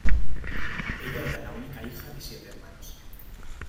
Ella era la única hija de siete hermanos.